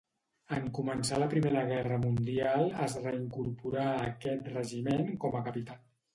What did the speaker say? En començar la Primera Guerra Mundial es reincorporà a aquest regiment com a capità.